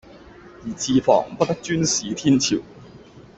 宜自防，不得專恃天朝